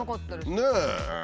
ねえ。